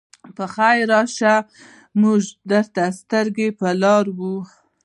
پخير راشئ! موږ درته سترګې په لار وو.